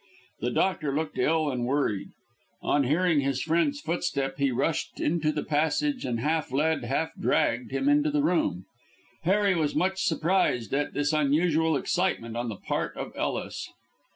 The doctor looked ill and worried. On hearing his friend's footstep he rushed into the passage and half led, half dragged him into the room. Harry was much surprised at this unusual excitement on the part of Ellis.